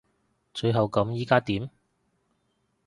最後咁依家點？